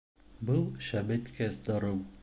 Был шәбәйткес дарыу